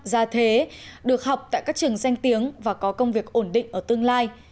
già thế được học tại các trường danh tiếng và có công việc ổn định ở tương lai